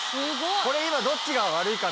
これ今どっちが悪いか。